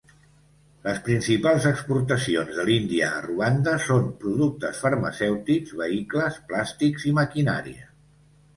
Les principals exportacions de l'Índia a Ruanda són productes farmacèutics, vehicles, plàstics i maquinària.